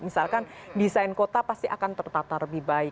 misalkan desain kota pasti akan tertata lebih baik